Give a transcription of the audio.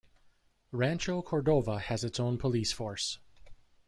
Rancho Cordova has its own police force.